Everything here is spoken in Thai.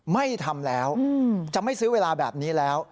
ไม่ทำแล้วจะไม่ซื้อเวลาแบบนี้แล้ว